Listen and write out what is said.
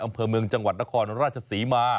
อำเภอเมืองจังหวัดนครราชศรีมา